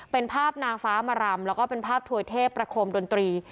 เป็นภาพนางฟ้ามารำแล้วก็เป็นภาพถวยเทพประคมดนตรี